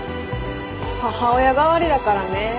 母親代わりだからね。